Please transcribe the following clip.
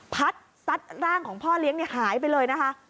พัดซัดร่างของพ่อเลี้ยงเนี่ยหายไปเลยนะคะ